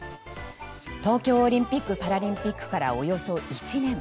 東京オリンピック・パラリンピックからおよそ１年。